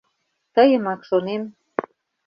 Тыйымак шонем...